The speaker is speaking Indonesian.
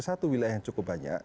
satu wilayah yang cukup banyak